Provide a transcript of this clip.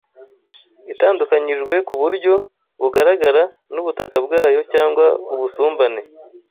itandukanyijwe ku buryo bugaragara n'ubutaka bwayo cyangwa ubusumbane